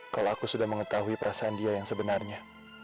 kalau aku sudah mengetahui perasaan dia yang sebenarnya